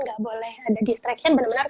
gak boleh ada distraction bener bener